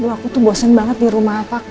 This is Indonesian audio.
aku tuh bosen banget di rumah pak